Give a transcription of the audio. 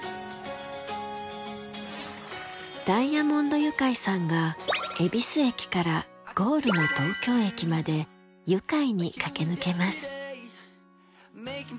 ダイアモンドユカイさんが恵比寿駅からゴールの東京駅までユカイに駆け抜けます。